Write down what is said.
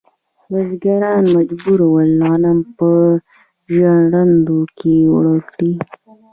بزګران مجبور ول غنم په ژرندو کې اوړه کړي.